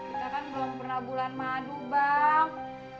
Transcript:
kita kan belum pernah bulan madu bang